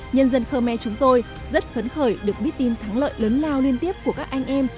nhân dân khmer chúng tôi rất khấn khởi được biết tin thắng lợi lớn lào liên tiếp của các anh em